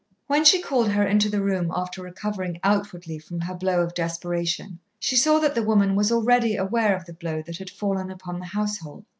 When she called her into the room after recovering outwardly from her hour of desperation, she saw that the woman was already aware of the blow that had fallen upon the household.